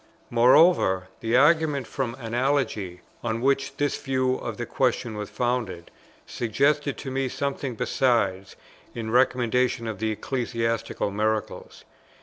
Moreover, the argument from Analogy, on which this view of the question was founded, suggested to me something besides, in recommendation of the Ecclesiastical Miracles.